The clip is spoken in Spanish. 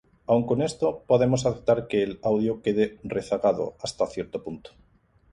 Aun con esto, podemos aceptar que el audio quede rezagado hasta cierto punto.